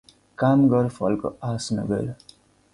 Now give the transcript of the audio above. कर्म गर फलको आश नगर।